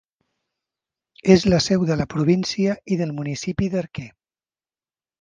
És la seu de la província i del municipi d'Arque.